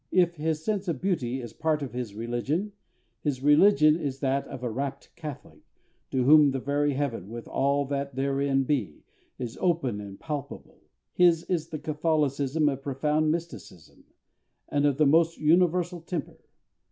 If his sense of beauty is part of his religion, his religion is that of a rapt Catholic, to whom the very heaven, with all that therein be, is open and palpable; his is the Catholicism of profound mysticism, and of the most universal temper....